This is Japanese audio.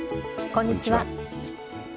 こんにちは。